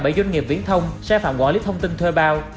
bởi doanh nghiệp viễn thông xe phạm gõ lít thông tin thuê bao